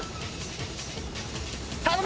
頼む！